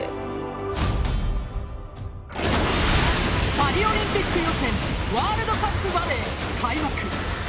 パリオリンピック予選ワールドカップバレー開幕。